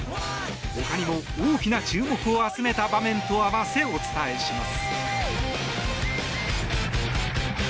他にも、大きな注目を集めた場面と合わせお伝えします。